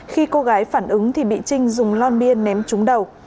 khi cô gái phản ứng thì bị trinh dùng lon bia ném trúng đầu